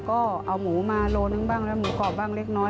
ก็เอาหมูมาโลนึงบ้างแล้วหมูกรอบบ้างเล็กน้อย